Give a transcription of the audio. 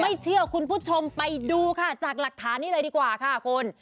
ไม่เชื่อคุณผู้ชมไปดูค่ะจากหลักฐานนี้เลยดีกว่าค่ะคุณ